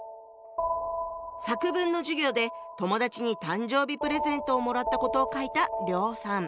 作文の授業で友達に誕生日プレゼントをもらったことを書いた梁さん。